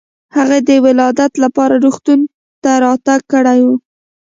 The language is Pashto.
هغې د ولادت لپاره روغتون ته راتګ کړی و.